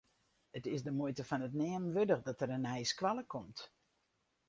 It is de muoite fan it neamen wurdich dat der in nije skoalle komt.